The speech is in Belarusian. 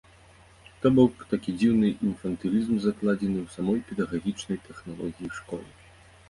То бок такі дзіўны інфантылізм закладзены ў самой педагагічнай тэхналогіі школы.